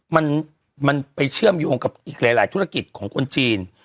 มันมันไปเชื่อมโยงกับอีกหลายธุรกิจของคนจีน